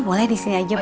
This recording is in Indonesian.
boleh disini aja bu